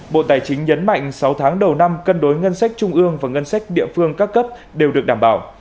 bộ tài chính nhấn mạnh sáu tháng đầu năm cân đối ngân sách trung ương và ngân sách địa phương các cấp đều được đảm bảo